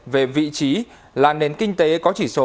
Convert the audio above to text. về vị trí là nền kinh tế có chỉ số